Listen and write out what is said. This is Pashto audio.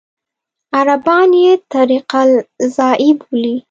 عربان یې طریق الزراعي بولي.